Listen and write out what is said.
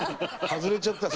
外れちゃった。